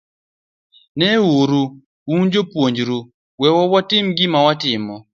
Neuru, un puonjru, wewa watim gima watimo.